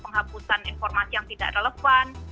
penghapusan informasi yang tidak relevan